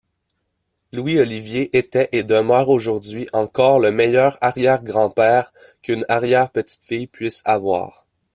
Louis Olivier était et demeure aujourd'hui encore le meilleur arrière-grand-père qu'une arrière-petite-fille puisse avoir.